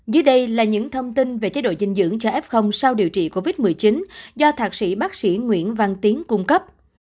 dưới đây là những thông tin về chế độ dinh dưỡng cho f sau điều trị covid một mươi chín do thạc sĩ bác sĩ nguyễn văn tiến cung cấp